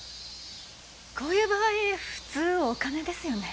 こういう場合普通お金ですよね。